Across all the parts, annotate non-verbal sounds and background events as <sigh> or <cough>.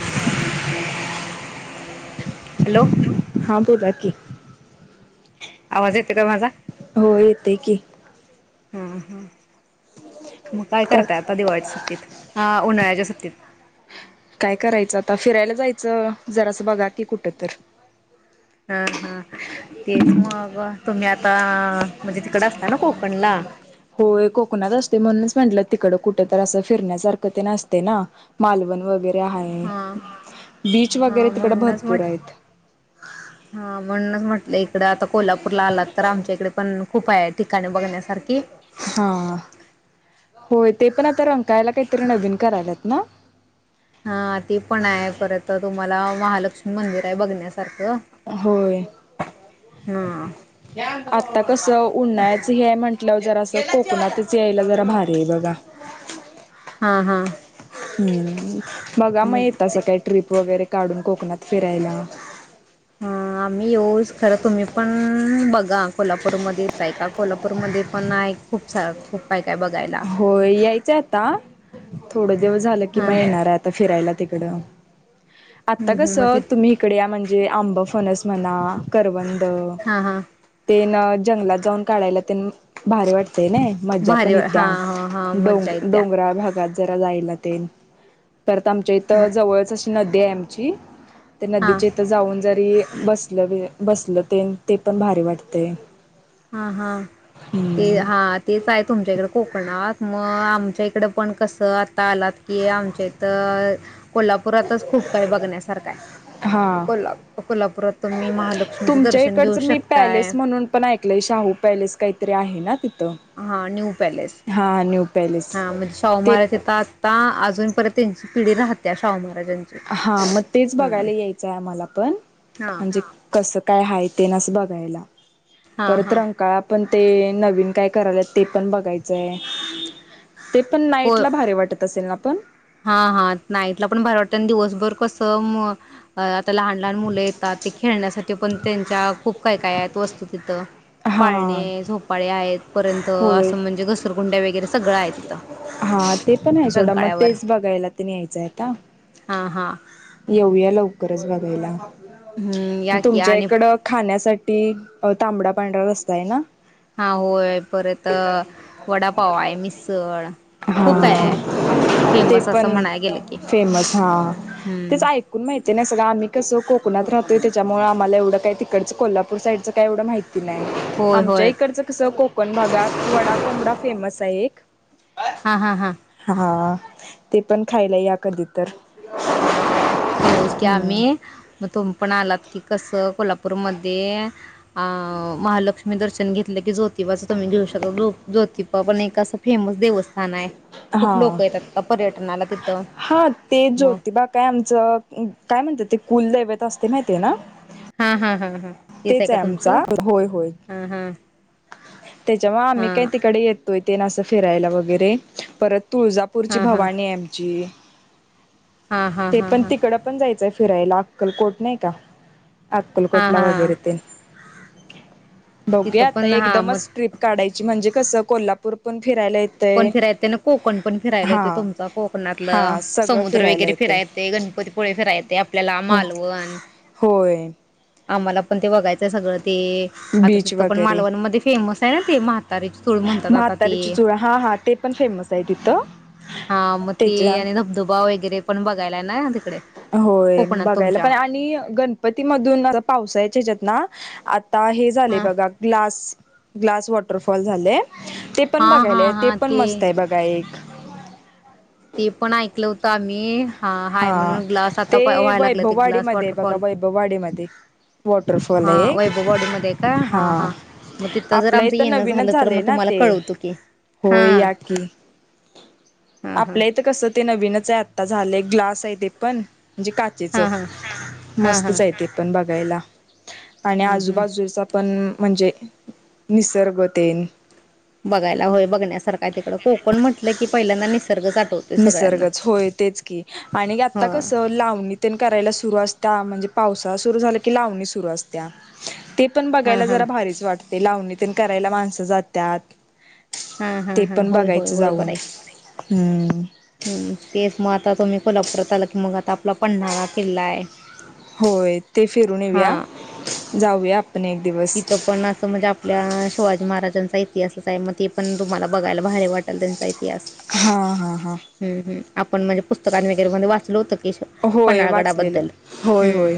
<unintelligible> Hello हा, बोला की आवाज येतो का माझा हो येते की हा- हा मग काय का करता, आता दिवाळीच्या सुट्टीत, हा उन्हाळ्यात या सुट्टीत काय करायचं आता फिरायला जायचं जराचं बघा की कुठे तरी हा- हा तेच मग तुम्ही आता म्हणजे तिकड असता याना कोकणला होय कोकणात असते म्हणूनच म्हटलं तिकड कुठ तर असं फिरण्यासारखं ते असते ना, मालवण वगैरे हा बीच वगैरे हा तिकड म्हणूनच भरपूर म्हट आहेत. म्हटल एक इकडे आता कोल्हापूर ला आलात तर आमच्याकडे पण खूप आहे ठिकाने बघण्या सारखी हा सारखी होय ते पण आता रंकाळ्याला नविन काही तरी करत आहेत, ना? हा ती पण आहे. परत तुम्हाला महालक्ष्मी मंदिर आहे बघण्या सारखे होय, हा आता कस उन्हाळ्याच चालू आहे म्हंटलं जरा अस कोकणातच यायला जरा भारी तेवघ <inaudible> हा -हा हम्म बघा मग येत असाल काय ट्रिप वगैरे काढून कोकणात फिरायला हो, आम्ही येऊच खरं तुम्ही पण बघा कोल्हापूरमध्ये येताय का? कोल्हापूरमध्ये पण आहे. खूप सार खूप काय काय बघायला होय यायच ता थोडं दिवस झालं कि हा मग येणार आहे. आता फिरायला तिकडे. काकडा आता कस मग ति तुम्ही इकडे या म्हणजे आंब फणस म्हणा करवंनद हमम- हमम मग हा हा ते जंगलात जाऊन काढायला त्यांना भारी वाटते ते नाही, ममज्जा भारी पण हा ह हा मज्जा येते येत्या डोंगराळ भागात जरा जाई ते तर आमच्या इथं मग जवळच नद्या आमची ते हा नदीच्या इथं जाऊन जरी बसलं बसलं ते ते पण भारी वाटते हा हा ते हम्म हा तेच आहे तुमच्याकडे कोकणात मग तुमच्या इकडे पण कसं ता आलात की आमच्या इथं कोल्हापुरातच खूप काही बघण्यासारखा आहे मग हा को्हा कोल्हापुरात तुम्ही महालक्ष्मीचं तुमच्या दर्शन घेऊ इकडचं मी शकताय पॅलेस म्हणून पण ऐकलंय शाहू पॅलेस काहीतरी आहे ना तिथ हा न्यू पॅलेस पॅलेस हा म्हणजे ते सोमार्या येथं आता अजून परत त्यांची पिढी राहत्या शाहू महाराजांची. हा मग तेच हम्म बघायला यायचंय आम्हाला पण हा. म्हणजे कस काय हाय ते नसं बघायला हा परत हा रांकाळा आपण ते नवीन काय कराल्यात ते पण बघायचंय. ते पण हो नाईट ला भारी वाटत असेल ना पण. हा हा नाईटला पण भारी वाटतय आणि दिव दिवसभर कसं मग <unintelligible> लहान लहान मुलं येतात ते खेळण्यासाठी पण त्यांच्या खूप काय काय आहेत वस्तू तिथं. हा पाळणे, झोपाळे आहेत पर्यंत होय असं म्हणजे घसरगुंड्या वगैरे सगळं आहेत ति <unintelligible> हां ते पण आहे सोडा मग तेच बघायला त न्यायचं आहे आता. हां हां. येऊया लवकरच बघायला. हम्म या की आणि तुमच्याइकडं खाण्यासा ठी तांबडा पांढरा रस्सा आहे ना? हां होय परत वडापाव आहे मिसळ खूप हा आहे ते फेमस असं पण म्हणाय गेलं की फेमस हा हम्म. तेच ऐकून माहिती नाही <unintelligible> आम्ही कसं कोकणात राहतोय त्याच्यामुळं आम्हाला एवढं काय तिकडचं कोल्हापूर साईडचं काय एवढं माहि ती नाही होय आमच्या होय इकडचं कसं कोकण भाग आहे वडा कोंबडा फेमस आहे <inaudible> हां हां हां. हा ते पण खायला या कधी तर. हां येऊच की हम्म आम्ही मग तुम्ही पण आलात की कसं कोल्हापूरमध्ये अ महालक्ष्मी दर्शन घेतलं की ज्योतिबाचं तुम्ही घेऊ <unintelligible> जो ज्योतिबा पण एक असं फेमस देवस्थान आहे. हा खूप लोकं येतात अ पर्यटनाला तिथं. हा ते मग ज्योतिबा काय आमचं. काय म्हणतात ते. कुलदैवत असते माहिती ना. हा. हा हा. हा. तेच आहे आमच होय, होय. हा हा त्याच्यामूळ आम्ही काय हा तिकड येतोय. तेन अस फिरायला वगैरे परत. तुळजापूरची हा हा भवानी आहे आमची. हा हा ते हा हा पण तिकडं पण जायचं आहे. फिरायला अक्कलकोट नाही का. हा अक्कलकोटला हा वगैरे तेन. तिथं बघूया आता पण हा मग एकदमच. काढायची म्हणजे कसं कोल्हापूर पण फिरायला पण येतंय फिरा येतं ना कोकण पण फिरायला हा येते तुमच कोकणातलं हा सगळं समुद्र फिरायला वगैरे येते फिरा येत गणपतीपुळे फिरा येते आपल्याला हो मालवण होय आम्हाला पण ते बघायचंय सगळं ते आता बीच तिथं पण वगैरे मालवणीमध्येध्ये फेमस ना ते महातारी म्हातारीची चुळ हा हा ते पण फेमस आहे तिथं हा मग ते त्याच्या आणि धबधबा वगैरे पण पा गयलाय ना तिकडे होय कोकणात बघायला तुमच्या पण आणि गणपतीमधून पावसाळच्या जतना आता हे झाले हा बघा ग्लास ग्लास वॉटरफॉल झाले ते पण हा हा बघायलाय ते हा पण मस्त आहे बघा एक ते पण ऐकलं होतं आम्ही हा हाय म्हणून ग्लास आता ते व्हायला लागलं ते वैभववाडी ग्लास मध्ये बघा वॉटरफॉल वैभववाडी मध्ये वॉटरफॉल हा आहे वैभव बॉडीमध्ये आहे का हा मग तिथं जर आपलं इ आमचं तर येणं नवीनच झालं तर झालंय मग ना तुम्हाला ते कळवतो की होय हां या की हां हां आपल्या कस ते नवीनच आहे आता झाले ग्लास आहे ते पण म्हणजे काचेचं हां हां मस्त हां जाय ते पण बघ अ गेला आणि हां आजूबाजूचा पण म्हणजे निसर्गतेन बघायला होय बघण्यासारखं तिकड कोकण म्हटलं कि पहिल्यांदा निसर्ग निसर्गच होय तेच की आणि हो आता कसं लावणी तेन करायला सुरू असत त्या म्हणजे पावसाळा सुरु झालं की लावणी सुरु असत्या ते पण हां बघायला हां जरा भारीच वाटते ते लावणी तेन करायला माणसं जातात हां ते हां हां पण होय बघायचं जाऊन हम्म हम् तेच म आता तुम्ही कोल्हापुरात आला की मग आता पन्हाळा किल्ला आहे होय ते फिरून येऊया हां जाऊया एक दिवस तिथं पण असं म्हणजे आपल्या शिवाजी महाराजांचा इथ त असंच आहे मग ते पण तुम्हाला बघायला भारी वाटेल त्यांचा हां हां हां म्म हम्म आपण म्हणजे पुस्तकां मध्ये वगैरे वाचलो तर होय वाचलेलं पन्हाळगडाबद्दल होय होय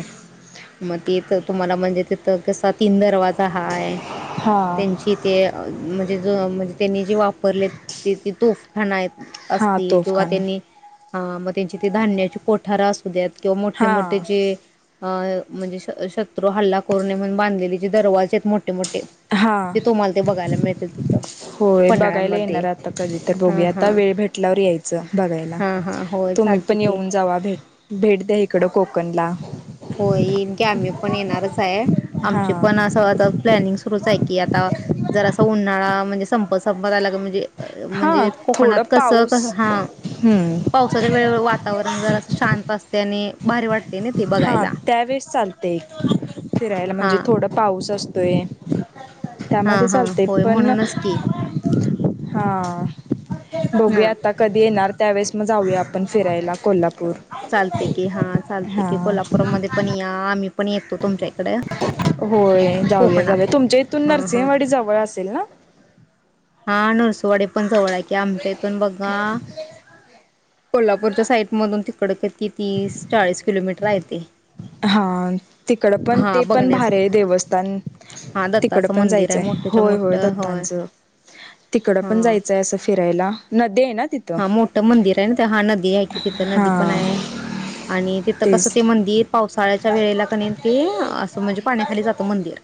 मग तेच तुम्हाला पण म्हणजे तिथं कसं आता तीन दरवाजे सहा आहे हां त्यांची ते म्हणजे जो म्हणजे त्यांनी जे वापरले ते ते तोफखाानं आहेत हां असतील किंवा तोफखाना त्यांनी मग त्यांची ते धान्याची कोठार असुदेत किंवा मोठे मोठे हां जे अ म्हणजे शत्रू हल्ला करू नये म्हणून बांधलेले जे दरवाजे आहेत मोठे मोठे हा ते तुम्हाला ते बघायला मिळतील तिथं होय बघायला पन्हाळ्यामध्ये. येणार आता कधी तर हां, बघूया आता हां. वेळ भेटल्यावर यायचं बघायला हां, हां. होय तुम्ही चालते पण की. येऊन जावा भेट भेट द्या इकडं कोकणला हो हा. आमची पण असं आता प्लॅनिंग सुरूच आहे कि आता जरसा उन्हाळा म्हणजे संपत संपत आला म्हणजे हा म्हणजे कोकणात थोडं कसं कस पाऊस हा हम्म पावसाच्या वेळेवर वातावरण जर असं शांत असते आणि भारी वाटते ना ते हा बघायला त्यावेेळेस चालत ते फिरायला म्हणजे हां थोडा पाऊस असतो ते हां त्यामध्ये हां चालते होय पण म्हणूनच की हा दोघे हां आता कधी येणार. त्यावेळेस मग जाऊया आपण फिरायला कोल्हाप चालते की हा चाल ते की कोल्हापुरमध्येध पण या आम्ही पण येतो तुमच्याही होय जाऊया जाऊया तुमच्या इथून हां हां नरसिंहवाडी जवळ असेल ना. हा नरसुवाडी पण जवळ आहे की आमच्या इथून बघा कोल्हापूरच्या साईड मधून तिकड किती तीस चाळीस किलोमीटर आहे ते हा तिकड पण हा ते पण बघण्यास भारी देवस्थान हा तिकड दत्ताचं पण मंदिर आहे जायचंय मोठच्या होय होय मोठं दत्तांचं. तिकड पण हा. जायचंय असं फिरायला न दे हा मोठं मंदिर आहे ना ते हा नदी आहे की तिथं नदी पण हा आहे आणि तिथं कसं तेच ते मंदिर पाऊ ळच्या वेळेला की नही अस म्हणजे पाण्याखाली जात मंदिर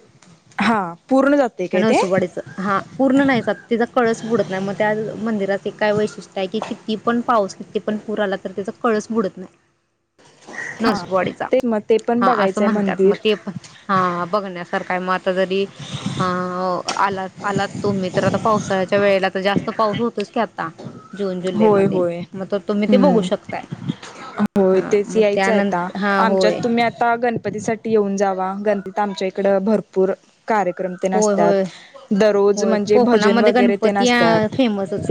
हा पूर्ण जाते काय ते नरसोबावाडीच हा पूर्ण नाही जात त्याचा कळस बुडत नाही मग त्या मंदिरात ते काय वैशिष किती पण पाऊस, किती पण पूर आला तर त्याचा कळस बुडत नाही. नरसोबावाडीचा ते मग ते पण हा असं बघायचंय म्हणतात मंदिर मग ते पण ह बघण्यासारखा मग आता जरी अ आलात आलात तुम्ही तर आता पावसाळ्याच्या वेळेला तर जास्त पाऊस होतोच की आता. जून होय जुलैमध्ये होय मग तर तुम्ही ते बघू हम्म शकताय होय हा तेच मग यायचं आता त्यानंतर हा आमच्यात होय तुम्ही आता गणपती साठी येऊन जावा गणपती आमच्या इकडं भरपूर कार्यक्रम तेन होय होय असत्यात दररोज होय म्हणजे भजन कोकणामध्ये वगैरे तेन गणपती असत्यात फेमसच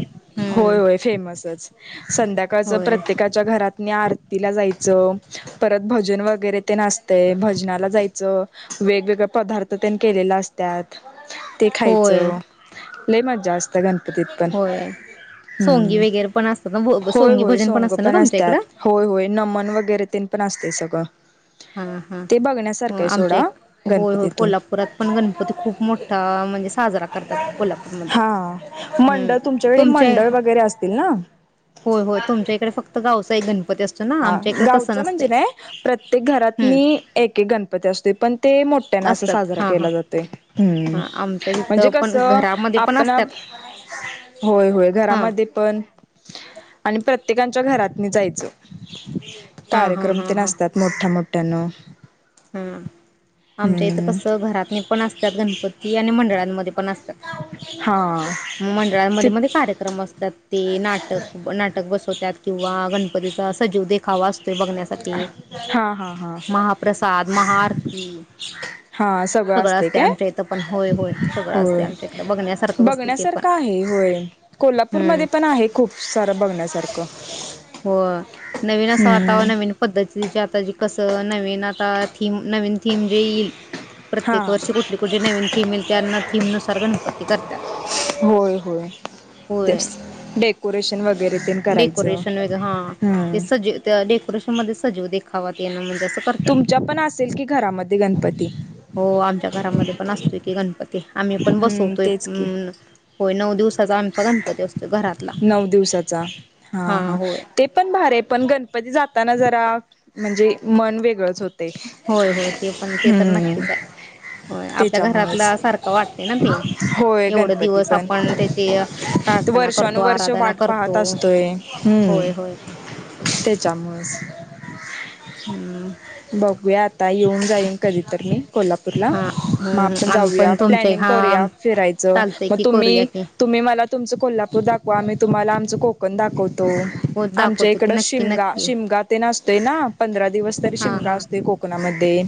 होय हम्म होय फेमसच संध्याकाळचं होय प्रत्येकाच्या घरात पनी आरतीला जायचं परत भजन वगैरे ते न असते. भजनाला जायचं वेगवेगळ पदार्थ तेन केलेले असतात. ते होय खायचं. लई मज्जा असते गण कधी पण होय सोंगी वगैरे पण असतात ना होय सोंगी होय भजन सोंग असतं ना पण तुमच्या असतात. इकडं होय होय नमन वगैरे तेन पण असतात. ते सगळ हा हा आमच्या एक होय होय गणपतीतून कोल्हापुरात पण गणपती खूप मोठा म्हणजे साजरा करतात कोल्हापूरमध्ये हा हम् तुमच्या म्हण होय होय तुमच्या इकडे फक्त गावचा एक गणपती असतो ना आमच्या इकडे तसं नसतंय प्र्य हम्म मी एक एक गणपती असते पण ते त्यांना असं असतात साजरा हां हां केला जात आहे हां आमच्या म्हणजे तिथं पण कसं घरामध्ये पण असतात हां आणि प्रत्येकच्या घरातनी जायचं हां हां कार्यक्रम ते नसतात मोठ्या मोठा कटण हा आमच्या इथं कसं घरात पण असतात गणपती आणि मंडळांमध्ये पण असतात हा ति मंडळांमध्ये मध्ये कार्यक्रम असतात ते नाटक नाटक बसवतात किंवा गणपतीचा सजीव देखावा असतोय बघण्यासाठी हा हा हा महाप्रसाद महाआरती सगळं असते आमच्या इथं पण होय होय सगळं असते आमच्या इथं बघण्यासारखंच असत ण्यासारख आहे होय कोप हम्म पूरमध्येध्ये पण आहे खूप सारं बघण्यासारखं हो नवीन असं आता हम् नवीन पद्धतीचे आता जी कस नवीन आता थीम नवीन थीम जे येईल हा प्रत्येक वर्षी कुठले कुठले नवीन थमईल त्यांना थीम नुसार गणपत ते करतात. होय होय. होय, तेच डेकोरेशन वगैरे तेन करायचं. डेकोरेशन वगैरे, हा ते हम्म. सजव डेकोरेशन मध्ये सजव खावा तेणं म्हणजे असं करतात, तुमच्या पण असेल की घरामध्ये गणपती? हो आमच्या घरामध्ये पण असतो की गणपती. ते आम्ही पण हम्म बसवतोय तेच की. अ होय नऊ दिवसाचा आ मचा गणपती असतोय. नऊ दिवसाचा हां हा हां होय ते पण भारी आहे पण गणपती जा ताना जरा म्हणजे मन वेगळंच हो होय होय ते पण ते तर नक्कीच आहे, होय आपल्या त्याच्यामुळेच घरातला सारखं वाटते ना ते होय एवढं गणपती दिवस आपण त्याची प्रार्थना कर वर्ष वाट पाहत असतोय हम्म होय होय त्याच्यामुळच. हम्म बघूया आता येऊन जाईन कधीतर मी कोल्हापूरला. हा मग हम्म आपण आम्ही जाऊया पण तुमचे प्लॅनिंग हा करूया फिरायचं चालतय मग की करूया तुम्ही की तुम्ही मला तुमचं कोल्हापूर दाखवा आम्ही तुम्हाला आमचं कोकण दाखव तो हो आमच्या दाखवतो की इकडं नक्की शिमगा नक्की शिमगा तेन अस ते ना. पंधरा दिवस तरी शि हा मगा हा असतोय कोकणाम ध्ये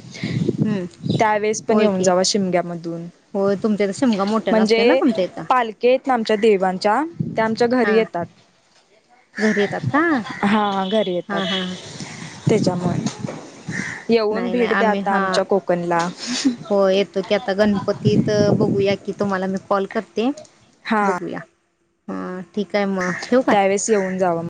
हम्म त्यावेेळेस पण होय येऊन की जावा शिमग्यामधून होय तुमच्या इथं शिमगा मोठ्यानं असतोय ना म्हणजे तुमच्या इथं पालखी आहेत ना आमच्या देवांच्या त्या आमच्या घरी हा येतात घरी येतात का हां हां घरी येतात. हा हा त्याच्यामुळे. येऊन नाही नाही भेट द्या आम्ही आता हा, आमच्या कोकणला हो येतो की आता गणपतीत बघूया की तुम्हाला मी. कॉल करते. हा बघूया. हा. त्यावेळेस येऊन जावा.